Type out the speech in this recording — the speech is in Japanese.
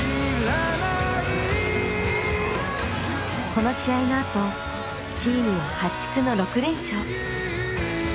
この試合のあとチームは破竹の６連勝。